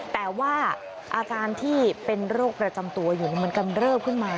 แต่ว่าอาการที่เป็นโรคประจำตัวอยู่มันกำเริบขึ้นมา